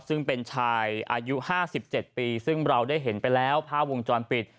ซึ่งเป็นชายอายุ๕๗ปีซึ่งเราได้เห็นไปแล้วภาพวงจรปิด